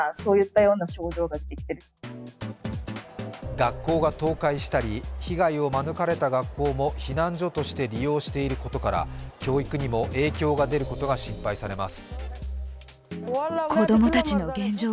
学校が倒壊したり被害を免れた学校も避難所として利用していることから、教育にも影響が出ることが心配されます。